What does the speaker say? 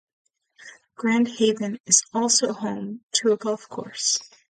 Grand Haven is also home to a golf course.